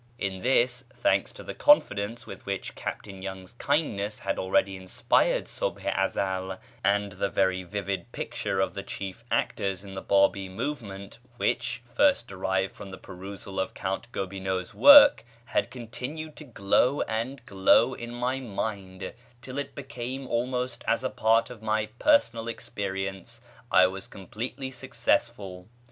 In this, thanks to the confidence with which Captain Young's kindness had already inspired Subh i Ezel, and the very vivid picture of the chief actors in the Bábí movement, which, first derived from the perusal of Count Gobineau's work, had continued to glow and grow in my mind till it became almost as a part of my own personal experience, I was completely successful.